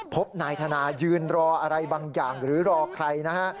พบนายธนายืนรออะไรบางอย่างหรือรอใครนะฮะ